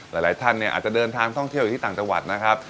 หลายท่านเนี่ยอาจจะเดินทางท่องเที่ยวอยู่ที่ต่างจังหวัดนะครับ